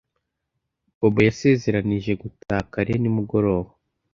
Bobo yasezeranije gutaha kare nimugoroba.